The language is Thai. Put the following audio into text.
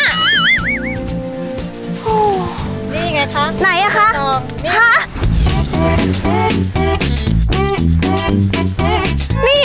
นี่ไงคะไหนอ่ะค่ะใบตองนี่ค่ะ